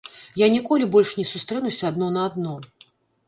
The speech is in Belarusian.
Я ніколі больш не сустрэнуся адно на адно.